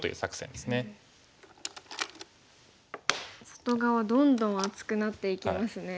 外側どんどん厚くなっていきますね。